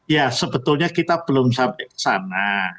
ya sebetulnya kita belum sampai ke sana